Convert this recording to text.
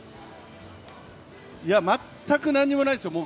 全く何にもないですよ。